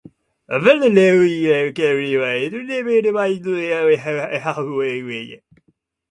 ｄｄｖ れあうれい ｆ け ｆ るいええあ ｖｋｆ れあ ｖ け ｒｖ け ｒｖ れいへはうふぁういえ